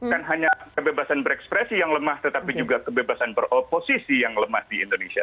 kan hanya kebebasan berekspresi yang lemah tetapi juga kebebasan beroposisi yang lemah di indonesia